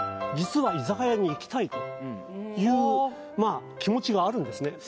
実は居酒屋に行きたいというまあ気持ちがあるんですね